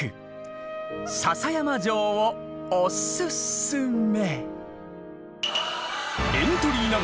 篠山城をおすすめ。